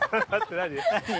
何？